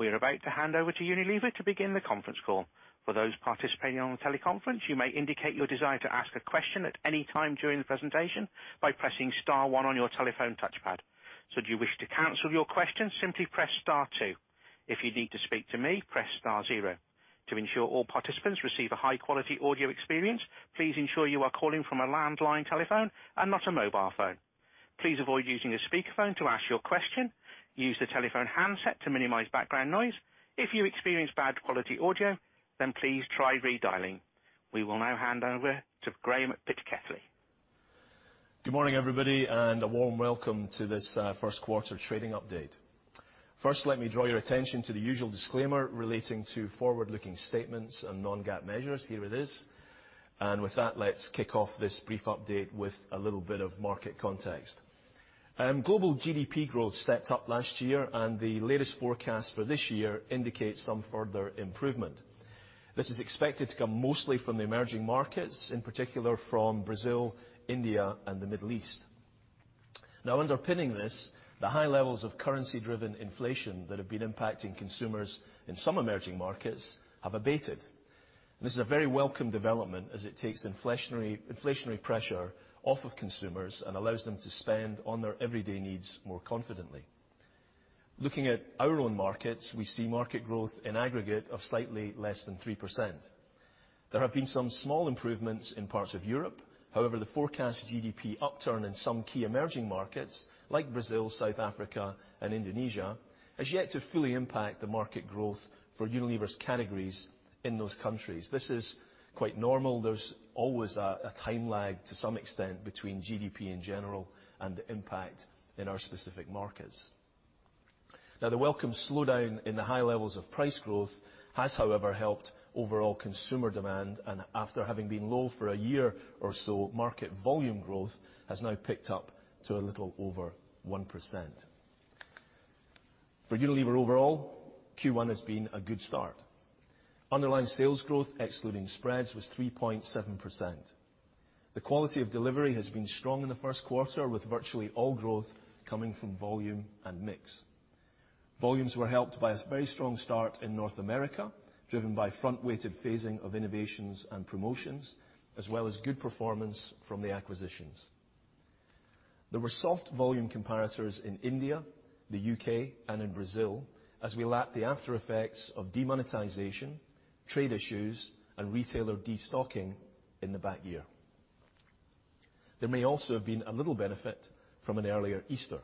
We are about to hand over to Unilever to begin the conference call. For those participating on the teleconference, you may indicate your desire to ask a question at any time during the presentation by pressing star one on your telephone touchpad. Should you wish to cancel your question, simply press star two. If you need to speak to me, press star zero. To ensure all participants receive a high-quality audio experience, please ensure you are calling from a landline telephone and not a mobile phone. Please avoid using a speakerphone to ask your question. Use the telephone handset to minimize background noise. If you experience bad quality audio, please try redialing. We will now hand over to Graeme Pitkethly. Good morning, everybody, and a warm welcome to this first quarter trading update. First, let me draw your attention to the usual disclaimer relating to forward-looking statements and non-GAAP measures. Here it is. With that, let's kick off this brief update with a little bit of market context. Global GDP growth stepped up last year, the latest forecast for this year indicates some further improvement. This is expected to come mostly from the emerging markets, in particular from Brazil, India, and the Middle East. Underpinning this, the high levels of currency-driven inflation that have been impacting consumers in some emerging markets have abated. This is a very welcome development as it takes inflationary pressure off of consumers and allows them to spend on their everyday needs more confidently. Looking at our own markets, we see market growth in aggregate of slightly less than 3%. There have been some small improvements in parts of Europe. However, the forecast GDP upturn in some key emerging markets, like Brazil, South Africa, and Indonesia, has yet to fully impact the market growth for Unilever's categories in those countries. This is quite normal. There's always a time lag, to some extent, between GDP in general and the impact in our specific markets. The welcome slowdown in the high levels of price growth has, however, helped overall consumer demand, after having been low for a year or so, market volume growth has now picked up to a little over 1%. For Unilever overall, Q1 has been a good start. Underlying sales growth, excluding spreads, was 3.7%. The quality of delivery has been strong in the first quarter, with virtually all growth coming from volume and mix. Volumes were helped by a very strong start in North America, driven by front-weighted phasing of innovations and promotions, as well as good performance from the acquisitions. There were soft volume comparators in India, the U.K., and in Brazil as we lapped the aftereffects of demonetization, trade issues, and retailer destocking in the back year. There may also have been a little benefit from an earlier Easter.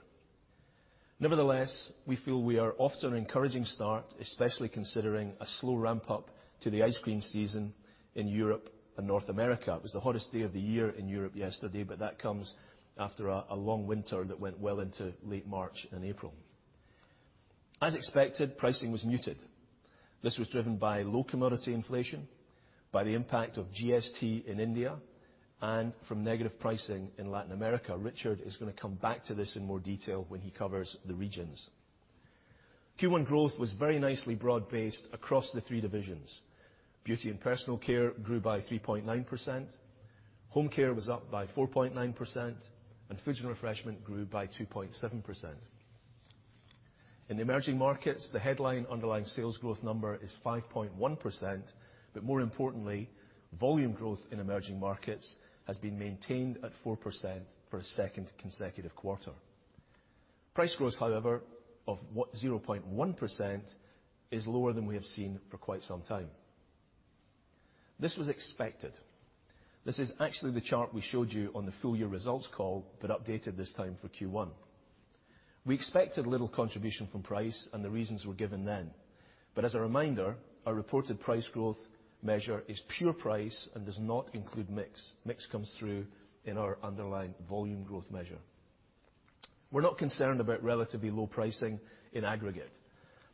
Nevertheless, we feel we are off to an encouraging start, especially considering a slow ramp-up to the ice cream season in Europe and North America. That comes after a long winter that went well into late March and April. As expected, pricing was muted. This was driven by low commodity inflation, by the impact of GST in India, and from negative pricing in Latin America. Richard is going to come back to this in more detail when he covers the regions. Q1 growth was very nicely broad-based across the three divisions. Beauty and Personal Care grew by 3.9%, Home Care was up by 4.9%, and Foods and Refreshment grew by 2.7%. In Emerging Markets, the headline underlying sales growth number is 5.1%, more importantly, volume growth in Emerging Markets has been maintained at 4% for a second consecutive quarter. Price growth, however, of 0.1%, is lower than we have seen for quite some time. This was expected. This is actually the chart we showed you on the full-year results call, but updated this time for Q1. We expected little contribution from price, and the reasons were given then. As a reminder, our reported price growth measure is pure price and does not include mix. Mix comes through in our underlying volume growth measure. We're not concerned about relatively low pricing in aggregate.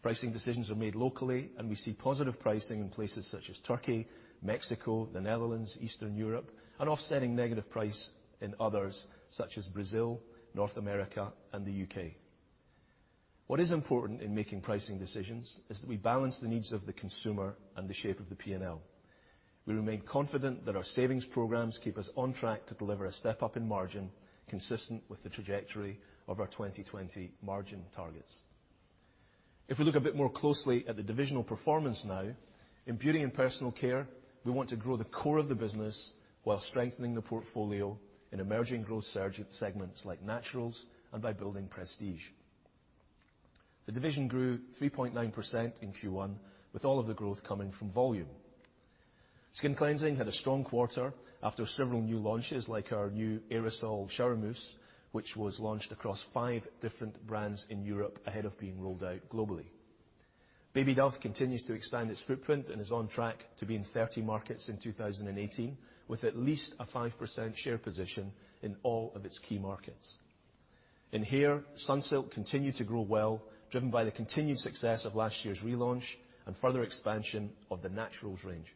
Pricing decisions are made locally, and we see positive pricing in places such as Turkey, Mexico, the Netherlands, Eastern Europe, and offsetting negative price in others such as Brazil, North America, and the U.K. What is important in making pricing decisions is that we balance the needs of the consumer and the shape of the P&L. We remain confident that our savings programs keep us on track to deliver a step-up in margin consistent with the trajectory of our 2020 margin targets. If we look a bit more closely at the divisional performance now, in Beauty and Personal Care, we want to grow the core of the business while strengthening the portfolio in emerging growth segments like naturals and by building prestige. The division grew 3.9% in Q1, with all of the growth coming from volume. Skin Cleansing had a strong quarter after several new launches, like our new aerosol shower mousse, which was launched across five different brands in Europe ahead of being rolled out globally. Baby Dove continues to expand its footprint and is on track to be in 30 markets in 2018, with at least a 5% share position in all of its key markets. In hair, Sunsilk continued to grow well, driven by the continued success of last year's relaunch and further expansion of the Naturals range.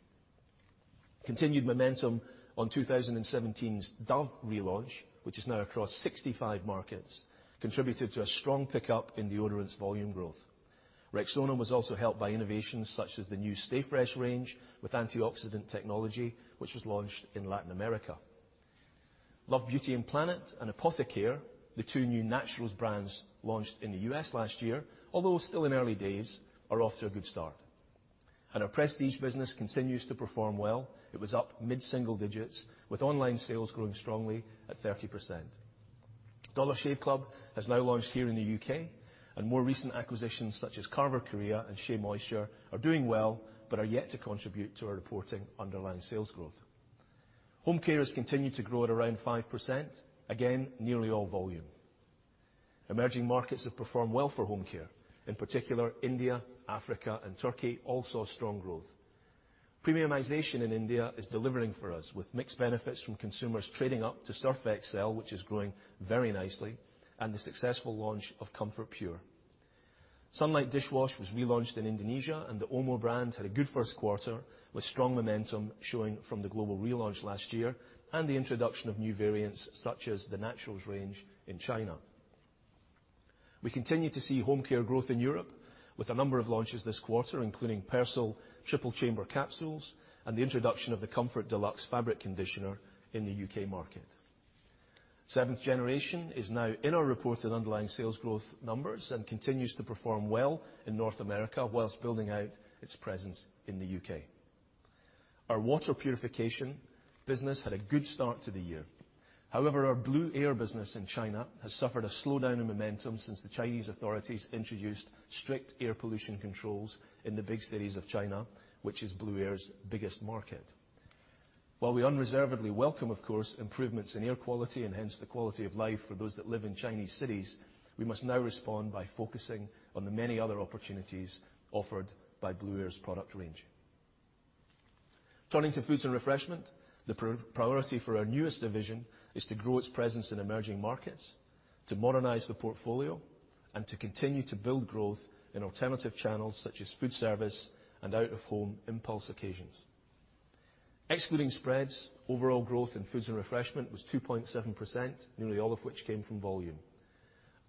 Continued momentum on 2017's Dove relaunch, which is now across 65 markets, contributed to a strong pickup in deodorants volume growth. Rexona was also helped by innovations such as the new Stay Fresh range with antioxidant technology, which was launched in Latin America. Love Beauty and Planet and ApotheCARE, the two new naturals brands launched in the U.S. last year, although still in early days, are off to a good start. Our prestige business continues to perform well. It was up mid-single digits with online sales growing strongly at 30%. Dollar Shave Club has now launched here in the U.K., and more recent acquisitions such as Carver Korea and SheaMoisture are doing well, but are yet to contribute to our reporting underlying sales growth. Home Care has continued to grow at around 5%, again, nearly all volume. Emerging Markets have performed well for Home Care. In particular, India, Africa, and Turkey all saw strong growth. Premiumization in India is delivering for us with mixed benefits from consumers trading up to Surf Excel, which is growing very nicely, and the successful launch of Comfort Pure. Sunlight Dishwash was relaunched in Indonesia, and the Omo brand had a good first quarter with strong momentum showing from the global relaunch last year and the introduction of new variants such as the Naturals range in China. We continue to see home care growth in Europe with a number of launches this quarter, including Persil Triple Chamber Capsules, and the introduction of the Comfort Deluxe Fabric Conditioner in the U.K. market. Seventh Generation is now in our reported underlying sales growth numbers and continues to perform well in North America whilst building out its presence in the U.K. Our water purification business had a good start to the year. Our Blueair business in China has suffered a slowdown in momentum since the Chinese authorities introduced strict air pollution controls in the big cities of China, which is Blueair's biggest market. While we unreservedly welcome, of course, improvements in air quality and hence the quality of life for those that live in Chinese cities, we must now respond by focusing on the many other opportunities offered by Blueair's product range. Turning to Foods and Refreshment, the priority for our newest division is to grow its presence in emerging markets, to modernize the portfolio, and to continue to build growth in alternative channels such as food service and out-of-home impulse occasions. Excluding spreads, overall growth in Foods and Refreshment was 2.7%, nearly all of which came from volume.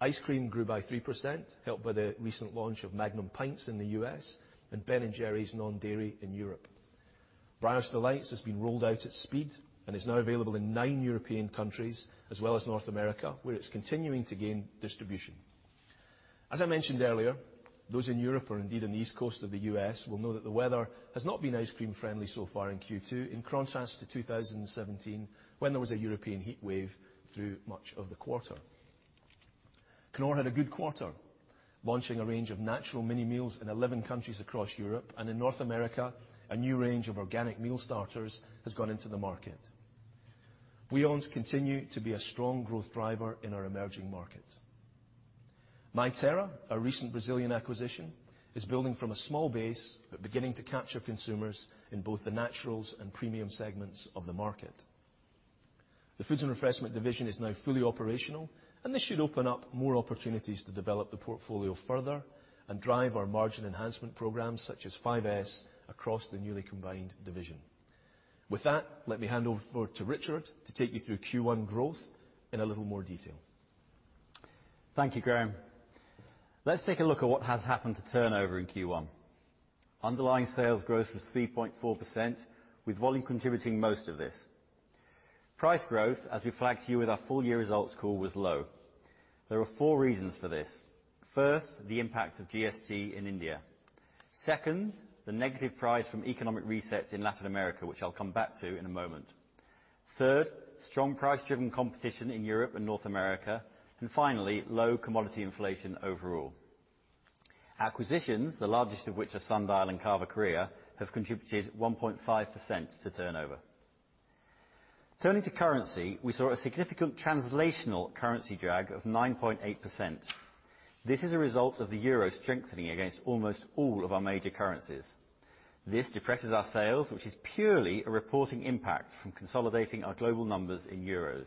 Ice cream grew by 3%, helped by the recent launch of Magnum Pints in the U.S., and Ben & Jerry's non-dairy in Europe. Breyers Delights has been rolled out at speed and is now available in nine European countries, as well as North America, where it's continuing to gain distribution. As I mentioned earlier, those in Europe or indeed in the East Coast of the U.S. will know that the weather has not been ice cream friendly so far in Q2, in contrast to 2017, when there was a European heatwave through much of the quarter. Knorr had a good quarter, launching a range of natural mini meals in 11 countries across Europe, and in North America, a new range of organic meal starters has gone into the market. Wyons continue to be a strong growth driver in our emerging markets. Mãe Terra, our recent Brazilian acquisition, is building from a small base, but beginning to capture consumers in both the naturals and premium segments of the market. The Foods and Refreshment division is now fully operational, and this should open up more opportunities to develop the portfolio further and drive our margin enhancement programs such as 5S across the newly combined division. With that, let me hand over to Richard to take you through Q1 growth in a little more detail. Thank you, Graeme. Let's take a look at what has happened to turnover in Q1. Underlying sales growth was 3.4%, with volume contributing most of this. Price growth, as we flagged to you with our full year results call, was low. There are four reasons for this. First, the impact of GST in India. Second, the negative price from economic resets in Latin America, which I'll come back to in a moment. Third, strong price-driven competition in Europe and North America. Finally, low commodity inflation overall. Acquisitions, the largest of which are Sundial and Carver Korea, have contributed 1.5% to turnover. Turning to currency, we saw a significant translational currency drag of 9.8%. This is a result of the euro strengthening against almost all of our major currencies. This depresses our sales, which is purely a reporting impact from consolidating our global numbers in euros.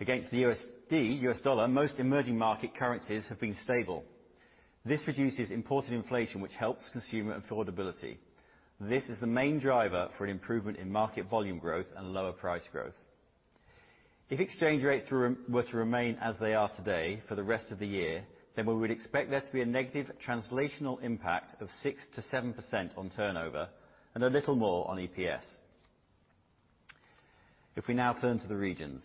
Against the USD, U.S. dollar, most emerging market currencies have been stable. This reduces imported inflation, which helps consumer affordability. This is the main driver for an improvement in market volume growth and lower price growth. If exchange rates were to remain as they are today for the rest of the year, we would expect there to be a negative translational impact of 6%-7% on turnover, and a little more on EPS. We now turn to the regions.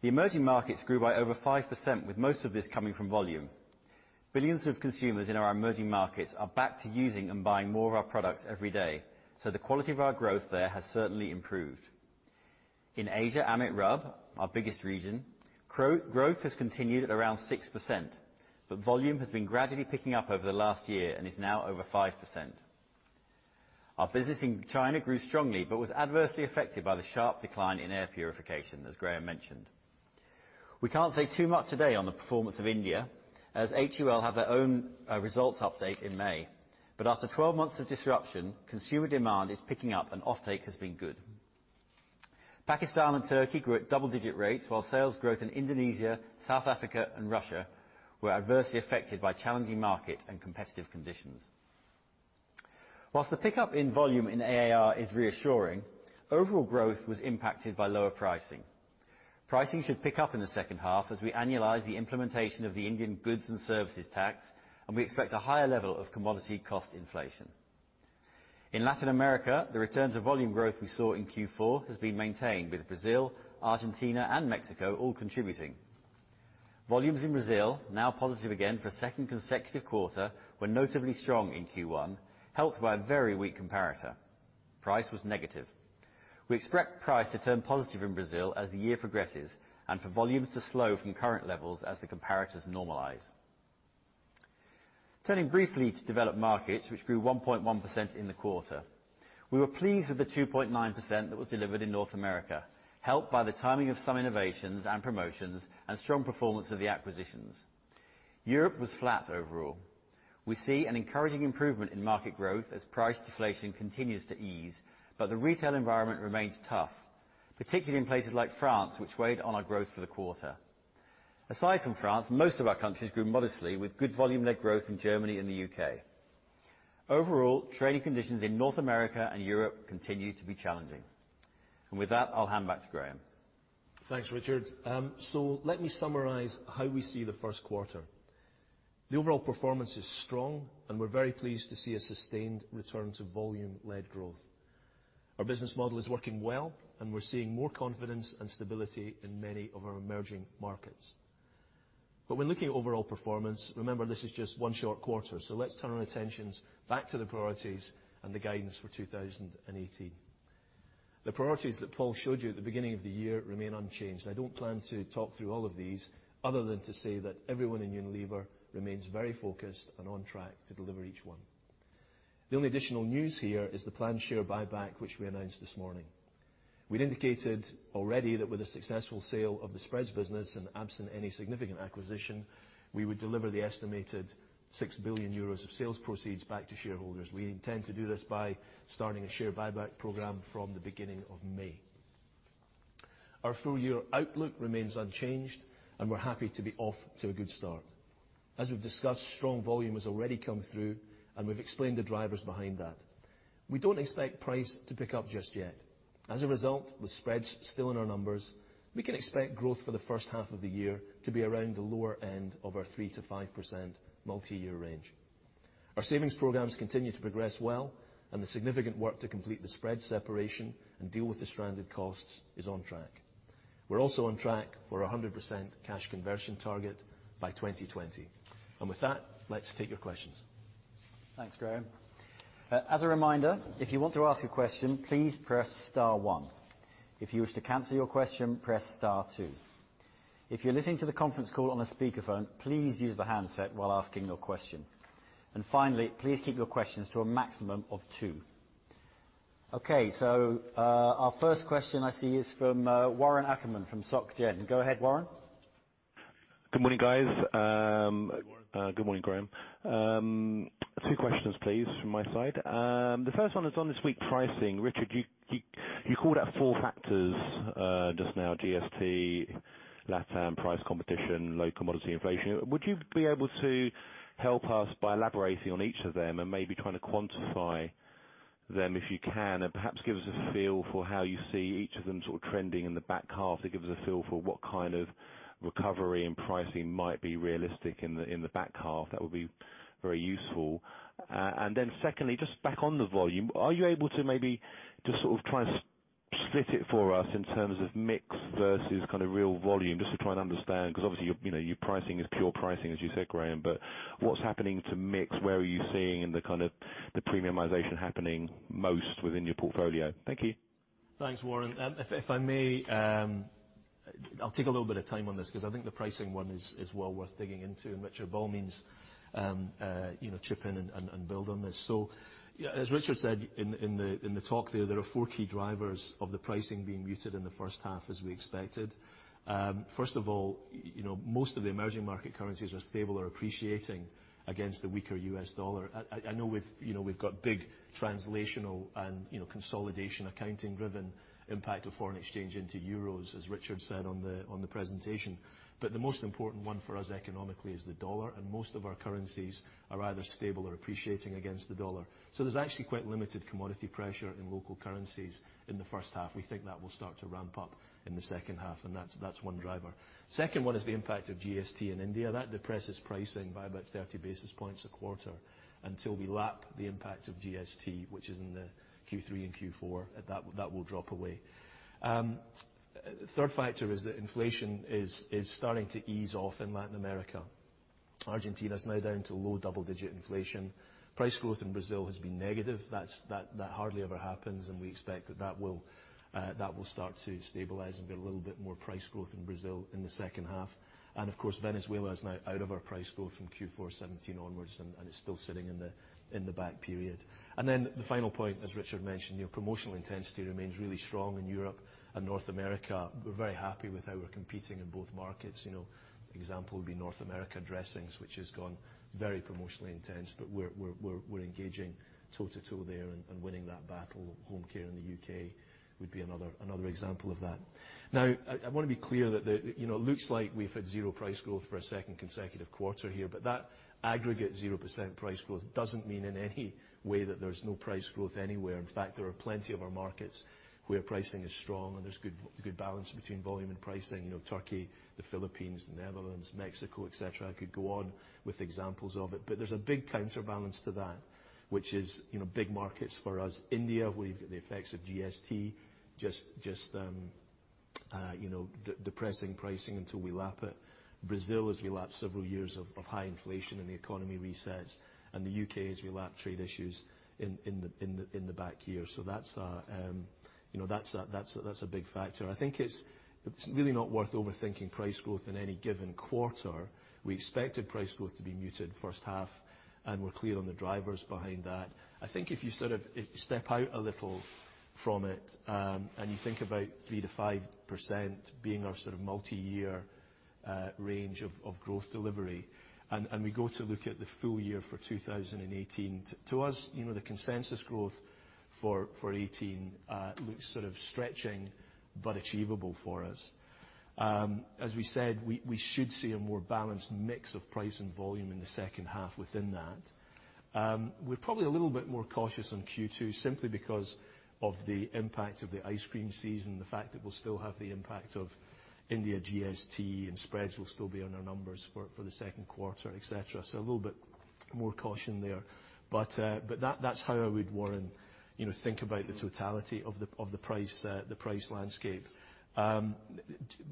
The emerging markets grew by over 5% with most of this coming from volume. Billions of consumers in our emerging markets are back to using and buying more of our products every day, the quality of our growth there has certainly improved. In Asia/AMET/RUB, our biggest region, growth has continued at around 6%, volume has been gradually picking up over the last year and is now over 5%. Our business in China grew strongly was adversely affected by the sharp decline in air purification, as Graeme mentioned. We can't say too much today on the performance of India, as HUL have their own results update in May. After 12 months of disruption, consumer demand is picking up and offtake has been good. Pakistan and Turkey grew at double-digit rates, while sales growth in Indonesia, South Africa, and Russia were adversely affected by challenging market and competitive conditions. Whilst the pickup in volume in AAR is reassuring, overall growth was impacted by lower pricing. Pricing should pick up in the second half as we annualise the implementation of the Indian Goods and Services Tax, we expect a higher level of commodity cost inflation. In Latin America, the return to volume growth we saw in Q4 has been maintained with Brazil, Argentina, and Mexico all contributing. Volumes in Brazil, now positive again for a second consecutive quarter, were notably strong in Q1, helped by a very weak comparator. Price was negative. We expect price to turn positive in Brazil as the year progresses, for volumes to slow from current levels as the comparators normalise. Turning briefly to developed markets, which grew 1.1% in the quarter. We were pleased with the 2.9% that was delivered in North America, helped by the timing of some innovations and promotions, strong performance of the acquisitions. Europe was flat overall. We see an encouraging improvement in market growth as price deflation continues to ease, but the retail environment remains tough, particularly in places like France, which weighed on our growth for the quarter. Aside from France, most of our countries grew modestly, with good volume-led growth in Germany and the U.K. Overall, trading conditions in North America and Europe continue to be challenging. With that, I'll hand back to Graeme. Thanks, Richard. Let me summarize how we see the first quarter. The overall performance is strong, and we're very pleased to see a sustained return to volume-led growth. Our business model is working well, and we're seeing more confidence and stability in many of our emerging markets. When looking at overall performance, remember this is just one short quarter. Let's turn our attentions back to the priorities and the guidance for 2018. The priorities that Paul showed you at the beginning of the year remain unchanged. I don't plan to talk through all of these other than to say that everyone in Unilever remains very focused and on track to deliver each one. The only additional news here is the planned share buyback, which we announced this morning. We'd indicated already that with the successful sale of the spreads business and absent any significant acquisition, we would deliver the estimated €6 billion of sales proceeds back to shareholders. We intend to do this by starting a share buyback program from the beginning of May. Our full-year outlook remains unchanged, and we're happy to be off to a good start. As we've discussed, strong volume has already come through, and we've explained the drivers behind that. We don't expect price to pick up just yet. As a result, with spreads still in our numbers, we can expect growth for the first half of the year to be around the lower end of our 3%-5% multi-year range. Our savings programs continue to progress well, and the significant work to complete the spread separation and deal with the stranded costs is on track. We're also on track for 100% cash conversion target by 2020. With that, let's take your questions. Thanks, Graeme. As a reminder, if you want to ask a question, please press star one. If you wish to cancel your question, press star two. If you're listening to the conference call on a speakerphone, please use the handset while asking your question. Finally, please keep your questions to a maximum of two. Our first question I see is from Warren Ackerman from Société Générale. Go ahead, Warren. Good morning, guys. Good morning, Graeme. Two questions, please, from my side. The first one is on this weak pricing. Richard, you called out four factors just now, GST, LatAm price competition, low commodity inflation. Would you be able to help us by elaborating on each of them and maybe trying to quantify them if you can? Perhaps give us a feel for how you see each of them sort of trending in the back half to give us a feel for what kind of recovery and pricing might be realistic in the back half. That would be very useful. Secondly, just back on the volume, are you able to maybe just sort of try and split it for us in terms of mix versus real volume, just to try and understand, because obviously, your pricing is pure pricing, as you said, Graeme. What's happening to mix? Where are you seeing the premiumization happening most within your portfolio? Thank you. Thanks, Warren. If I may, I'll take a little bit of time on this because I think the pricing one is well worth digging into, and Richard Boll means chip in and build on this. As Richard said in the talk there are four key drivers of the pricing being muted in the first half as we expected. First of all, most of the emerging market currencies are stable or appreciating against the weaker US dollar. I know we've got big translational and consolidation accounting-driven impact of foreign exchange into EUR, as Richard said on the presentation. The most important one for us economically is the dollar, and most of our currencies are either stable or appreciating against the dollar. There's actually quite limited commodity pressure in local currencies in the first half. We think that will start to ramp up in the second half, that's one driver. Second one is the impact of GST in India. That depresses pricing by about 30 basis points a quarter. Until we lap the impact of GST, which is in Q3 and Q4, that will drop away. Third factor is that inflation is starting to ease off in Latin America. Argentina is now down to low double-digit inflation. Price growth in Brazil has been negative. That hardly ever happens. We expect that that will start to stabilize and be a little bit more price growth in Brazil in the second half. Of course, Venezuela is now out of our price growth from Q4 2017 onwards, and it's still sitting in the back period. The final point, as Richard mentioned, promotional intensity remains really strong in Europe and North America. We're very happy with how we're competing in both markets. Example would be North America dressings, which has gone very promotionally intense, but we're engaging toe to toe there and winning that battle. Home care in the U.K. would be another example of that. I want to be clear that it looks like we've had zero price growth for a second consecutive quarter here, but that aggregate 0% price growth doesn't mean in any way that there's no price growth anywhere. In fact, there are plenty of our markets where pricing is strong and there's good balance between volume and pricing. Turkey, the Philippines, the Netherlands, Mexico, et cetera. I could go on with examples of it. There's a big counterbalance to that, which is big markets for us. India, where you've got the effects of GST just depressing pricing until we lap it. Brazil has relapsed several years of high inflation and the economy resets, and the U.K. has relapsed trade issues in the back here. That's a big factor. I think it's really not worth overthinking price growth in any given quarter. We expected price growth to be muted first half. We're clear on the drivers behind that. I think if you step out a little from it, and you think about 3%-5% being our multi-year range of growth delivery, and we go to look at the full year for 2018, to us, the consensus growth for 2018 looks stretching but achievable for us. As we said, we should see a more balanced mix of price and volume in the second half within that. We're probably a little bit more cautious on Q2, simply because of the impact of the ice cream season, the fact that we'll still have the impact of India GST, and spreads will still be on our numbers for the second quarter, et cetera. A little bit more caution there. That's how I would, Warren, think about the totality of the price landscape.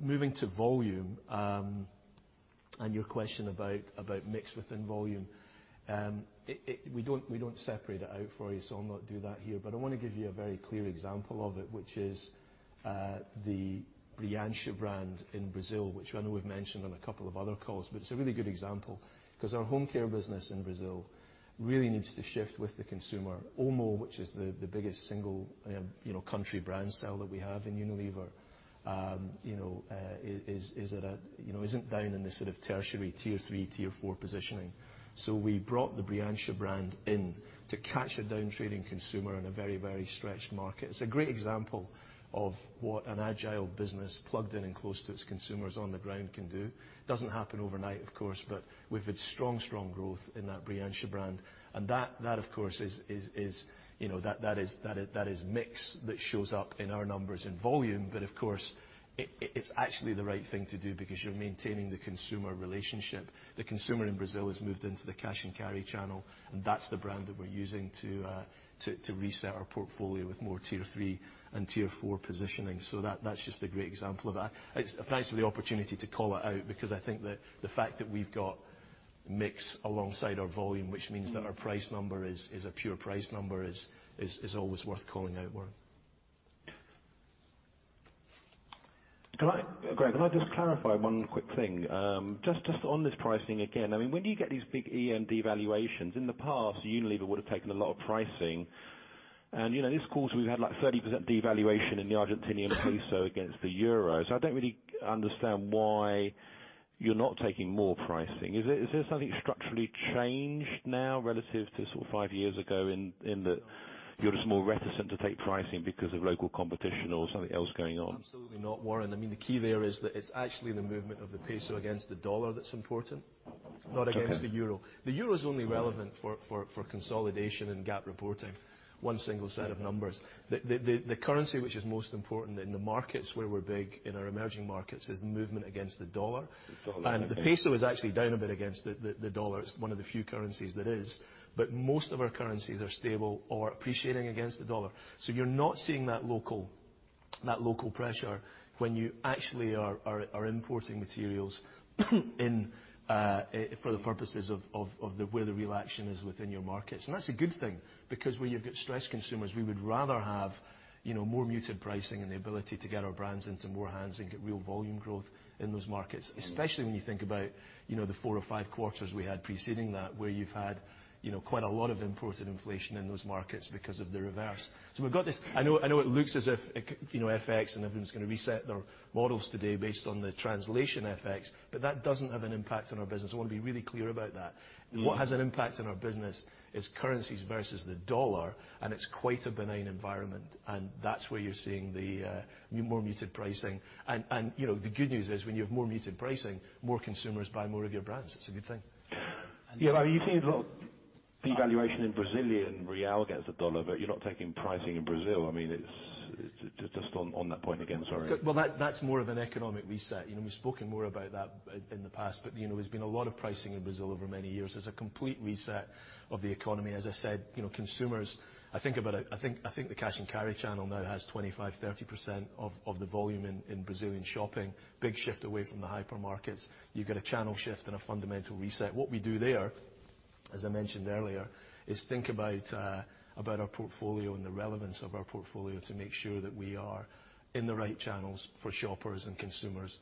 Moving to volume, and your question about mix within volume. We don't separate it out for you, so I'll not do that here, but I want to give you a very clear example of it, which is the Brilhante brand in Brazil, which I know we've mentioned on a couple of other calls, but it's a really good example. Our home care business in Brazil really needs to shift with the consumer. Omo, which is the biggest single country brand sell that we have in Unilever, isn't down in the tertiary tier 3, tier 4 positioning. We brought the Brilhante brand in to catch a down-trading consumer in a very stretched market. It's a great example of what an agile business plugged in and close to its consumers on the ground can do. It doesn't happen overnight, of course, but we've had strong growth in that Brilhante brand. That is mix that shows up in our numbers in volume, but of course, it's actually the right thing to do because you're maintaining the consumer relationship. The consumer in Brazil has moved into the cash and carry channel, and that's the brand that we're using to reset our portfolio with more tier 3 and tier 4 positioning. That's just a great example of that. Thanks for the opportunity to call it out because I think that the fact that we've got mix alongside our volume, which means that our price number is a pure price number is always worth calling out, Warren. Graeme, can I just clarify one quick thing? Just on this pricing again, when you get these big E and D valuations, in the past, Unilever would have taken a lot of pricing. This quarter, we've had 30% devaluation in the Argentinian peso against the euro. I don't really understand why you're not taking more pricing. Is there something structurally changed now relative to five years ago in that you're just more reticent to take pricing because of local competition or something else going on? Absolutely not, Warren. The key there is that it's actually the movement of the peso against the U.S. dollar that's important, not against the euro. Okay. The euro is only relevant for consolidation and GAAP reporting, one single set of numbers. The currency which is most important in the markets where we're big in our emerging markets is movement against the U.S. dollar. The U.S. dollar, okay. The peso is actually down a bit against the U.S. dollar. It's one of the few currencies that is. Most of our currencies are stable or appreciating against the U.S. dollar. You're not seeing that local pressure when you actually are importing materials in for the purposes of where the real action is within your markets. That's a good thing, because where you've got stressed consumers, we would rather have more muted pricing and the ability to get our brands into more hands and get real volume growth in those markets. Especially when you think about the four or five quarters we had preceding that, where you've had quite a lot of imported inflation in those markets because of the reverse. We've got this. I know it looks as if FX and everyone's going to reset their models today based on the translation FX, but that doesn't have an impact on our business. I want to be really clear about that. What has an impact on our business is currencies versus the U.S. dollar, and it's quite a benign environment. That's where you're seeing the more muted pricing. The good news is when you have more muted pricing, more consumers buy more of your brands. It's a good thing. Yeah, you've seen a lot of devaluation in Brazilian real against the USD, you're not taking pricing in Brazil. Just on that point again, sorry. Well, that's more of an economic reset. We've spoken more about that in the past, there's been a lot of pricing in Brazil over many years. There's a complete reset of the economy. As I said, consumers, I think the cash and carry channel now has 25%-30% of the volume in Brazilian shopping. Big shift away from the hypermarkets. You've got a channel shift and a fundamental reset. What we do there, as I mentioned earlier, is think about our portfolio and the relevance of our portfolio to make sure that we are in the right channels for shoppers and consumers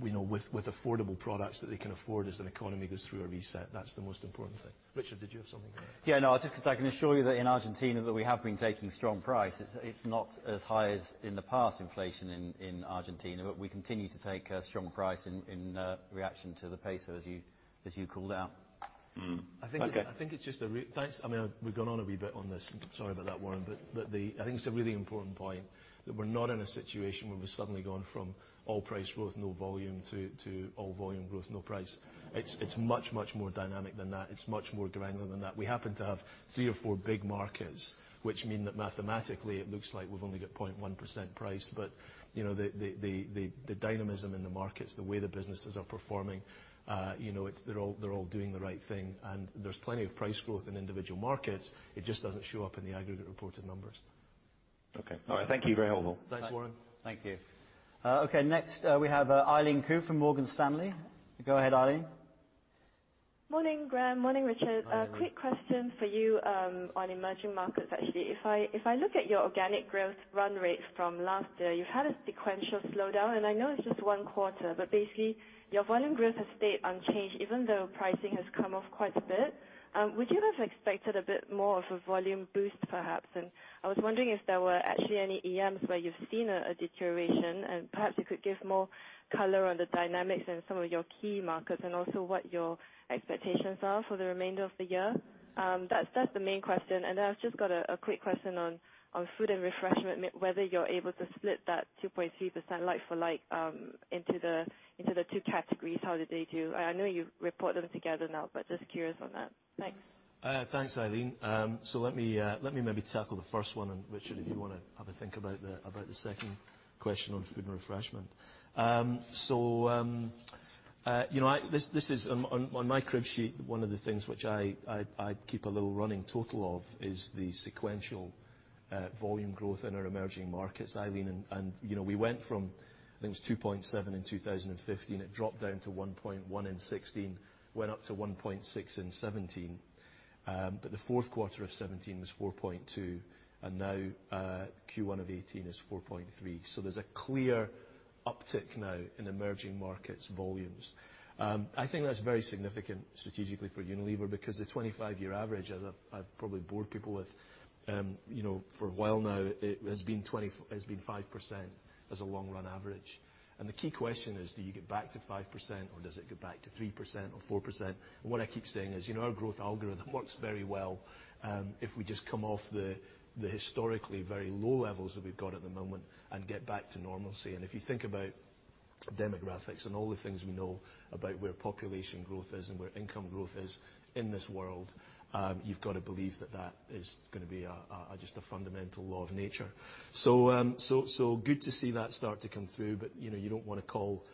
with affordable products that they can afford as an economy goes through a reset. That's the most important thing. Richard, did you have something there? Yeah, no, just because I can assure you that in Argentina that we have been taking strong price. It's not as high as in the past inflation in Argentina, we continue to take a strong price in reaction to the peso as you called out. Okay. Thanks. We've gone on a wee bit on this. Sorry about that, Warren, I think it's a really important point that we're not in a situation where we've suddenly gone from all price growth, no volume to all volume growth, no price. It's much more dynamic than that. It's much more granular than that. We happen to have three or four big markets, which mean that mathematically it looks like we've only got 0.1% price, the dynamism in the markets, the way the businesses are performing, they're all doing the right thing. There's plenty of price growth in individual markets. It just doesn't show up in the aggregate reported numbers. Okay. All right. Thank you very much. Thanks, Warren. Thank you. Okay, next we have Eileen Khoo from Morgan Stanley. Go ahead, Eileen. Morning, Graeme. Morning, Richard. Morning. A quick question for you on emerging markets, actually. If I look at your organic growth run rate from last year, you've had a sequential slowdown, and I know it's just one quarter, but basically, your volume growth has stayed unchanged even though pricing has come off quite a bit. Would you have expected a bit more of a volume boost, perhaps? I was wondering if there were actually any EMs where you've seen a deterioration, and perhaps you could give more color on the dynamics in some of your key markets, and also what your expectations are for the remainder of the year. That's the main question. Then I've just got a quick question on Food and Refreshment, whether you're able to split that 2.3% like for like into the two categories. How did they do? I know you report them together now, just curious on that. Thanks. Thanks, Eileen. Let me maybe tackle the first one, and Richard, if you want to have a think about the second question on food and refreshment. On my crib sheet, one of the things which I keep a little running total of is the sequential volume growth in our emerging markets, Eileen, and we went from, I think it was 2.7 in 2015. It dropped down to 1.1 in 2016. Went up to 1.6 in 2017. The fourth quarter of 2017 was 4.2, and now Q1 of 2018 is 4.3. There's a clear uptick now in emerging markets volumes. I think that's very significant strategically for Unilever, because the 25-year average, as I've probably bored people with for a while now, it has been 5% as a long-run average. The key question is, do you get back to 5% or does it go back to 3% or 4%? What I keep saying is, our growth algorithm works very well if we just come off the historically very low levels that we've got at the moment and get back to normalcy. If you think about demographics and all the things we know about where population growth is and where income growth is in this world, you've got to believe that that is going to be just a fundamental law of nature. Good to see that start to come through, but you don't want to call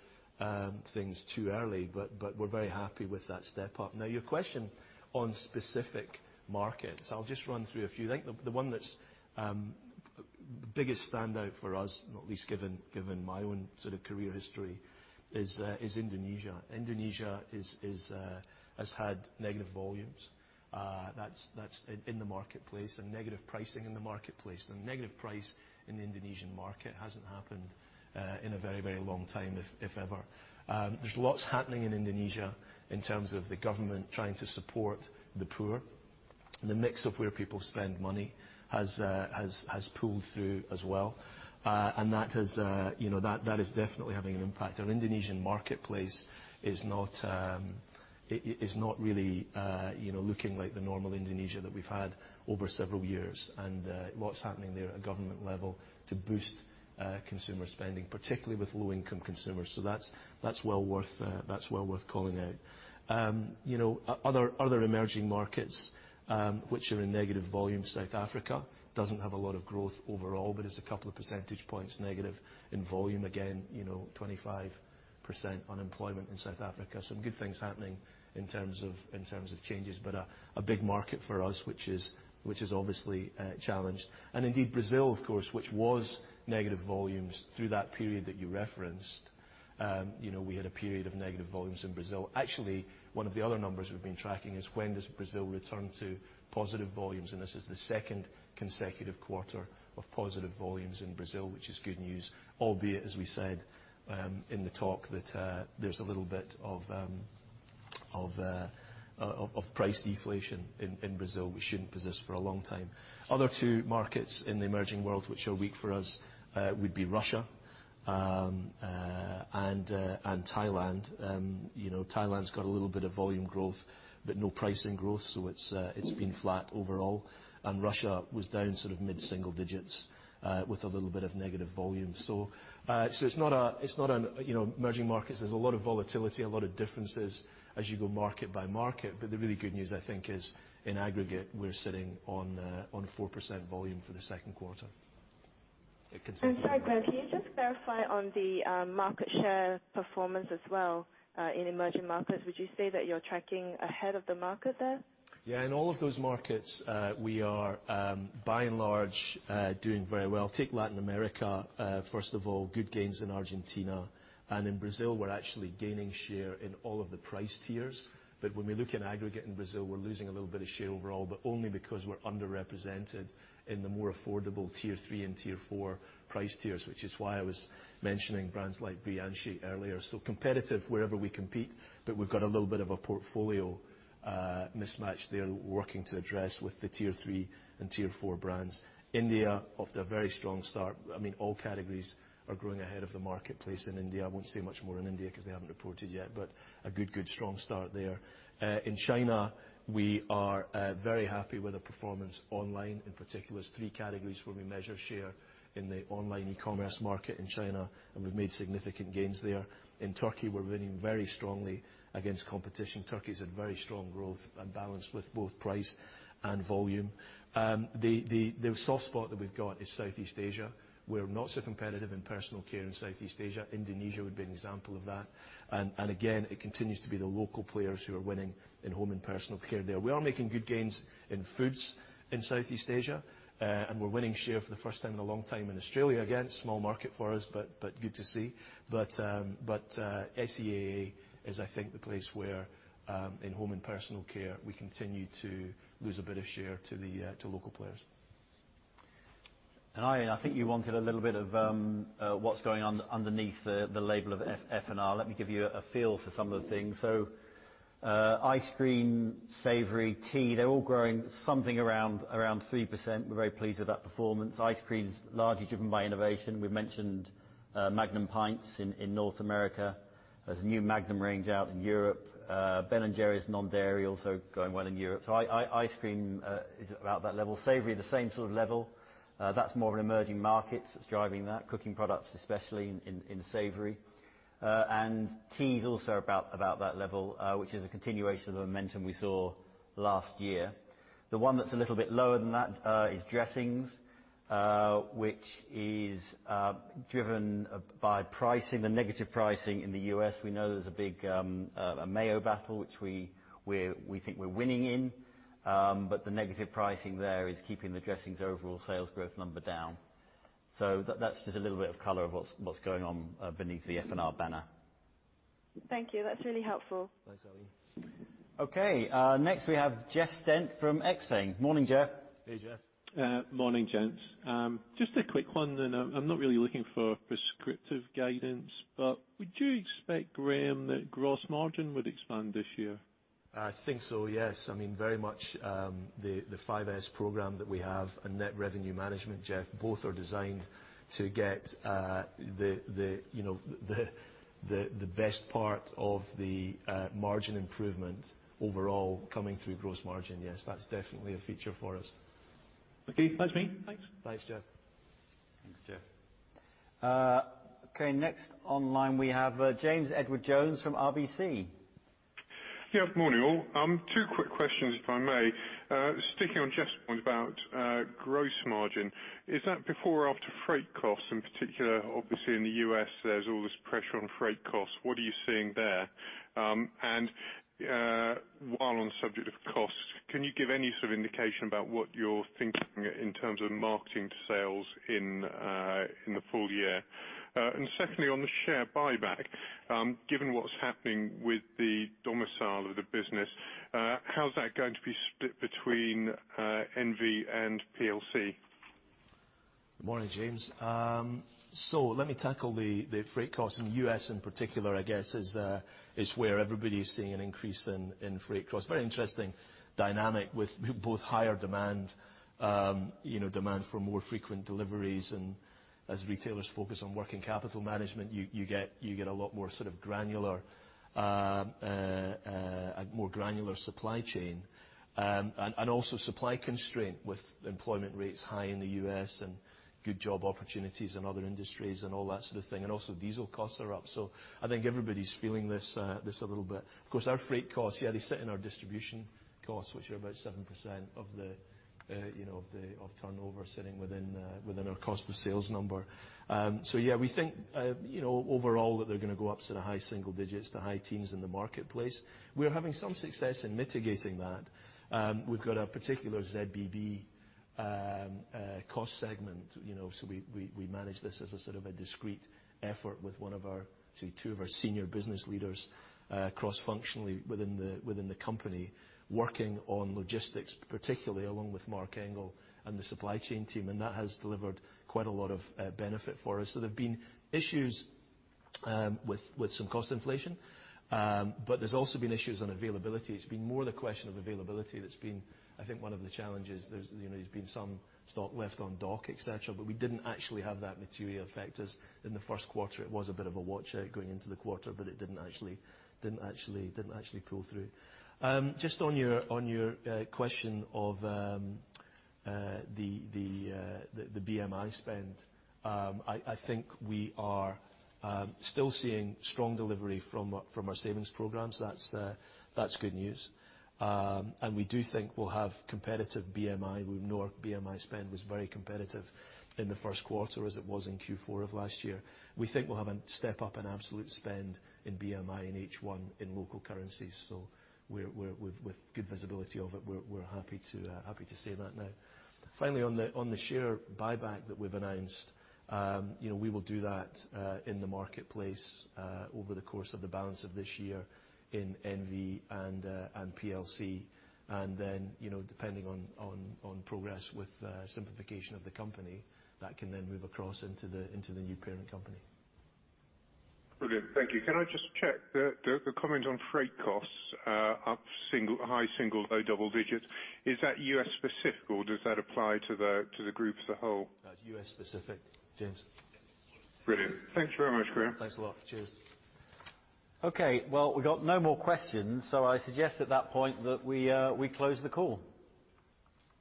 things too early, we're very happy with that step up. Now, your question on specific markets, I'll just run through a few. I think the one that's the biggest standout for us, not least given my own career history, is Indonesia. Indonesia has had negative volumes. That's in the marketplace, and negative pricing in the marketplace. Negative price in the Indonesian market hasn't happened in a very long time, if ever. There's lots happening in Indonesia in terms of the government trying to support the poor, and the mix of where people spend money has pulled through as well. That is definitely having an impact. Our Indonesian marketplace is not really looking like the normal Indonesia that we've had over several years, and what's happening there at government level to boost consumer spending, particularly with low-income consumers. That's well worth calling out. Other emerging markets which are in negative volume, South Africa doesn't have a lot of growth overall, but it's a couple of percentage points negative in volume. Again, 25% unemployment in South Africa. Some good things happening in terms of changes, but a big market for us, which is obviously challenged. Brazil, of course, which was negative volumes through that period that you referenced. We had a period of negative volumes in Brazil. Actually, one of the other numbers we've been tracking is when does Brazil return to positive volumes, and this is the second consecutive quarter of positive volumes in Brazil, which is good news. Albeit, as we said in the talk, that there's a little bit of price deflation in Brazil which shouldn't persist for a long time. Other two markets in the emerging world which are weak for us would be Russia and Thailand. Thailand's got a little bit of volume growth, but no pricing growth, so it's been flat overall. Russia was down mid-single digits with a little bit of negative volume. Emerging markets, there's a lot of volatility, a lot of differences as you go market by market. The really good news, I think, is in aggregate, we're sitting on 4% volume for the second quarter. Sorry, Graeme, can you just clarify on the market share performance as well, in emerging markets? Would you say that you're tracking ahead of the market there? In all of those markets, we are by and large, doing very well. Take Latin America, first of all, good gains in Argentina. In Brazil, we're actually gaining share in all of the price tiers. When we look in aggregate in Brazil, we're losing a little bit of share overall, but only because we're underrepresented in the more affordable tier 3 and tier 4 price tiers, which is why I was mentioning brands like Brilhante earlier. Competitive wherever we compete, but we've got a little bit of a portfolio mismatch there we're working to address with the tier 3 and tier 4 brands. India, off to a very strong start. All categories are growing ahead of the marketplace in India. I won't say much more on India because they haven't reported yet, but a good strong start there. In China, we are very happy with the performance online, in particular. There's 3 categories where we measure share in the online e-commerce market in China, we've made significant gains there. In Turkey, we're winning very strongly against competition. Turkey's had very strong growth and balance with both price and volume. The soft spot that we've got is Southeast Asia. We're not so competitive in personal care in Southeast Asia. Indonesia would be an example of that. It continues to be the local players who are winning in home and personal care there. We are making good gains in foods in Southeast Asia, we're winning share for the first time in a long time in Australia. Small market for us, but good to see. SEAA is, I think, the place where, in home and personal care, we continue to lose a bit of share to local players. Eileen, I think you wanted a little bit of what's going on underneath the label of FNR. Let me give you a feel for some of the things. Ice cream, savory, tea, they're all growing something around 3%. We're very pleased with that performance. Ice cream is largely driven by innovation. We've mentioned Magnum Tubs in North America. There's a new Magnum range out in Europe. Ben & Jerry's non-dairy also going well in Europe. Ice cream is about that level. Savory, the same sort of level. That's more of an emerging markets that's driving that. Cooking products, especially in savory. Tea is also about that level, which is a continuation of the momentum we saw last year. The one that's a little bit lower than that is dressings, which is driven by pricing, the negative pricing in the U.S. We know there's a mayo battle, which we think we're winning in. The negative pricing there is keeping the dressings overall sales growth number down. That's just a little bit of color of what's going on beneath the FNR banner. Thank you. That's really helpful. Thanks, Irene. Next we have Jeff Stent from Exane. Morning, Jeff. Hey, Jeff. Morning, gents. Just a quick one, and I am not really looking for prescriptive guidance, but would you expect, Graeme, that gross margin would expand this year? I think so, yes. Very much the 5S program that we have and net revenue management, Jeff, both are designed to get the best part of the margin improvement overall coming through gross margin. Yes, that is definitely a feature for us. Okay, thanks, Graeme. Thanks. Thanks, Jeff. Thanks, Jeff. Next on line we have James Edwardes Jones from RBC. Good morning, all. Two quick questions, if I may. Sticking on Jeff's point about gross margin, is that before or after freight costs? In particular, obviously in the U.S., there's all this pressure on freight costs. What are you seeing there? While on the subject of costs, can you give any sort of indication about what you're thinking in terms of marketing to sales in the full year? Secondly, on the share buyback, given what's happening with the domicile of the business, how's that going to be split between NV and PLC? Good morning, James. Let me tackle the freight costs in the U.S. in particular, I guess, is where everybody is seeing an increase in freight costs. Very interesting dynamic with both higher demand for more frequent deliveries. As retailers focus on working capital management, you get a lot more sort of granular supply chain. Also supply constraint with employment rates high in the U.S. and good job opportunities in other industries and all that sort of thing. Also diesel costs are up. I think everybody's feeling this a little bit. Of course, our freight costs, they sit in our distribution costs, which are about 7% of turnover sitting within our cost of sales number. We think overall that they're going to go up sort of high single digits to high teens in the marketplace. We are having some success in mitigating that. We've got a particular ZBB cost segment we manage this as a sort of a discrete effort with two of our senior business leaders cross-functionally within the company working on logistics, particularly along with Marc Engel and the supply chain team. That has delivered quite a lot of benefit for us. There have been issues with some cost inflation. There's also been issues on availability. It's been more the question of availability that's been, I think, one of the challenges. There's been some stock left on dock, et cetera, but we didn't actually have that material effect as in the first quarter it was a bit of a watch out going into the quarter, but it didn't actually pull through. Just on your question of the BMI spend, I think we are still seeing strong delivery from our savings programs. That's good news. We do think we'll have competitive BMI. We know our BMI spend was very competitive in the first quarter as it was in Q4 of last year. We think we'll have a step up in absolute spend in BMI in H1 in local currencies. With good visibility of it, we're happy to say that now. Finally, on the share buyback that we've announced, we will do that in the marketplace over the course of the balance of this year in NV and PLC. Then depending on progress with simplification of the company, that can then move across into the new parent company. Brilliant. Thank you. Can I just check, the comment on freight costs are high single low double digits. Is that U.S. specific or does that apply to the group as the whole? That's U.S. specific, James. Brilliant. Thank you very much, Graeme. Thanks a lot. Cheers. Okay, well, we got no more questions. I suggest at that point that we close the call.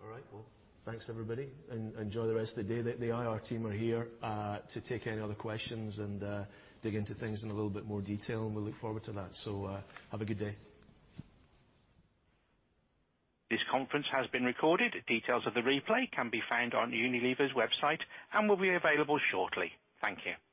All right, well, thanks everybody, and enjoy the rest of the day. The IR team are here to take any other questions and dig into things in a little bit more detail, and we look forward to that. Have a good day. This conference has been recorded. Details of the replay can be found on Unilever's website and will be available shortly. Thank you.